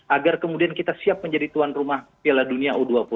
agar kemudian kita siap menjadi tuan rumah piala dunia u dua puluh